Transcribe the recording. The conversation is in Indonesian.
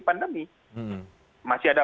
pandemi masih ada